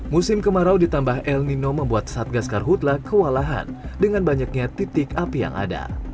musim kemarau ditambah el nino membuat satgas karhutlah kewalahan dengan banyaknya titik api yang ada